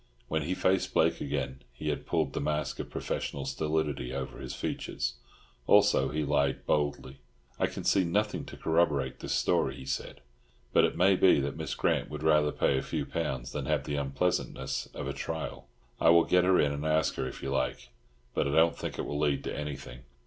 When he faced Blake again, he had pulled the mask of professional stolidity over his features; also he lied boldly. "I can see nothing to corroborate this story," he said; "but it may be that Miss Grant would rather pay a few pounds than have the unpleasantness of a trial. I will get her in and ask her if you like, but I don't think it will lead to anything."